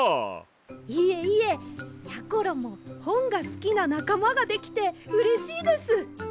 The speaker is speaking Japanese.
いえいえやころもほんがすきななかまができてうれしいです！